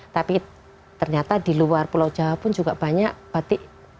tapi ternyata di luar pulau jawa pun juga banyak batik